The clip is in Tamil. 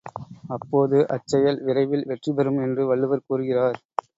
அப்போது அச் செயல் விரைவில் வெற்றிபெறும் என்று வள்ளுவர் கூறுகிறார்.